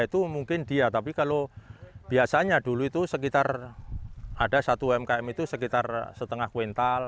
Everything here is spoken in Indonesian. itu mungkin dia tapi kalau biasanya dulu itu sekitar ada satu umkm itu sekitar setengah kuintal